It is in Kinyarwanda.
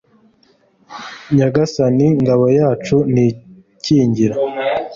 nyagasani, ngabo yacu nikingira